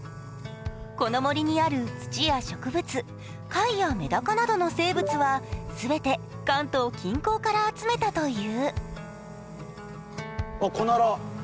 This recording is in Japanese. この森にある土や植物、貝やメダカなどの生物は全て関東近郊から集めたという。